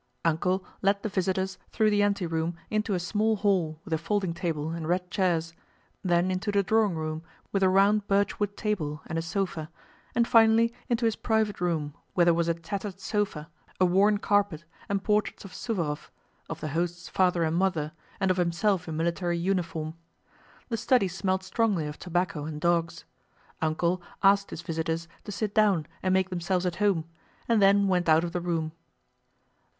"Uncle" led the visitors through the anteroom into a small hall with a folding table and red chairs, then into the drawing room with a round birchwood table and a sofa, and finally into his private room where there was a tattered sofa, a worn carpet, and portraits of Suvórov, of the host's father and mother, and of himself in military uniform. The study smelt strongly of tobacco and dogs. "Uncle" asked his visitors to sit down and make themselves at home, and then went out of the room.